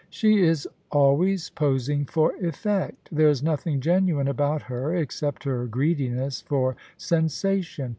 * She is always posing for effect There is nothing genuine about her except her greediness for sensation.